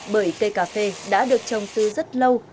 bởi cây cà phê đã được trồng từ rất lâu